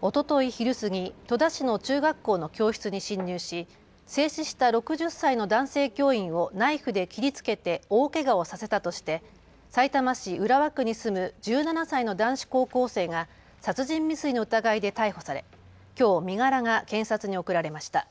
おととい昼過ぎ戸田市の中学校の教室に侵入し制止した６０歳の男性教員をナイフで切りつけて大けがをさせたとしてさいたま市浦和区に住む１７歳の男子高校生が殺人未遂の疑いで逮捕されきょう身柄が検察に送られました。